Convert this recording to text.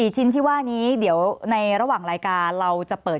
ชิ้นที่ว่านี้เดี๋ยวในระหว่างรายการเราจะเปิด